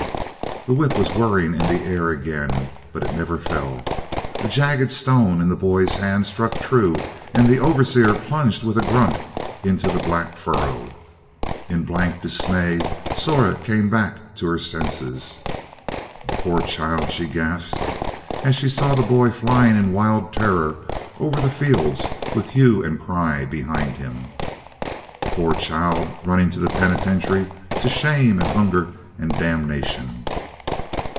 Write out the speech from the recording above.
The whip was whirring in the air again; but it never fell. A jagged stone in the boy's hand struck true, and the overseer plunged with a grunt into the black furrow. In blank dismay, Zora came back to her senses. "Poor child!" she gasped, as she saw the boy flying in wild terror over the fields, with hue and cry behind him. "Poor child! running to the penitentiary to shame and hunger and damnation!"